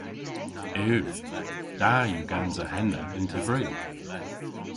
Yw. Da yw gansa henna yn tevri.